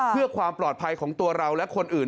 เพื่อความปลอดภัยของตัวเราและคนอื่น